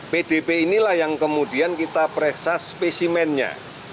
pdp inilah yang kemudian kita periksa spesimennya